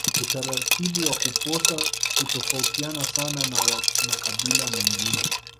Utaratibu wa kuposa hutofautiani sana na wa makabila mengine